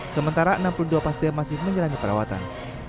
sementara enam puluh dua pasien masih menjalani perawatan